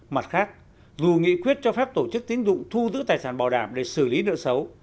mặt khác dù nghị quyết cho phép tổ chức tín dụng thu giữ tài sản bảo đảm để xử lý nợ xấu